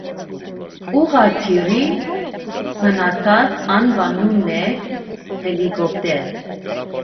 Ուղղաթիռի հնացած անվանումն է հելիկոպտեր։